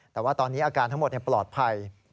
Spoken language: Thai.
แต่ว่าตอนนี้อาการทั้งหมดปลอดภัย